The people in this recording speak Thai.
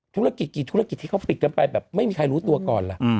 ธุรกิจกี่ธุรกิจที่เขาปิดกันไปแบบไม่มีใครรู้ตัวก่อนล่ะ